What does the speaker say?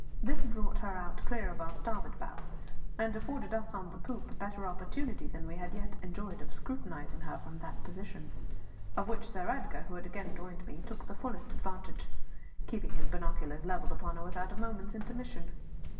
This brought her out clear of our starboard bow, and afforded us on the poop a better opportunity than we had yet enjoyed of scrutinising her from that position; of which Sir Edgar, who had again joined me, took the fullest advantage, keeping his binoculars levelled upon her without a moment's intermission.